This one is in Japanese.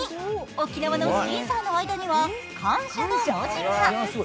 沖縄のシーサーの間には「感謝」の文字が。